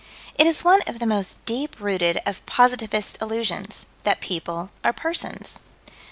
It is one of the most deep rooted of positivist illusions that people are persons.